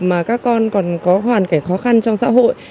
mà các con còn có hoàn cảnh khó khăn trong xã hội